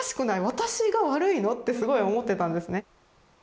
私が悪いの？」ってすごい思ってたんですね。